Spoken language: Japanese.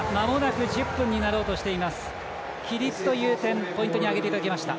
規律という点ポイントに挙げていただきました。